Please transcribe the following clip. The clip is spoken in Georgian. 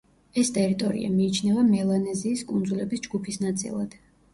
ეს ტერიტორია მიიჩნევა მელანეზიის კუნძულების ჯგუფის ნაწილად.